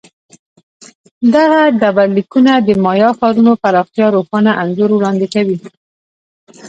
دغه ډبرلیکونه د مایا ښارونو پراختیا روښانه انځور وړاندې کوي